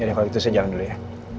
jadi kalau gitu saya jalan dulu ya